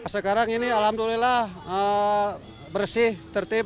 sekarang ini alhamdulillah bersih tertib